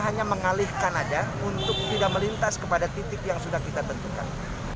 hanya mengalihkan aja untuk tidak melintas kepada titik yang sudah kita tentukan